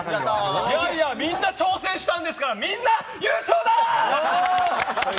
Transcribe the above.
いやいやみんな挑戦したんですからみんな優勝だ！